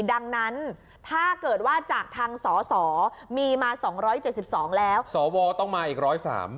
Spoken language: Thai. ดังนั้นถ้าเกิดว่าจากทางสอสอมีมาสองร้อยเจ็ดสิบสองแล้วสอวต้องมาอีกร้อยสาม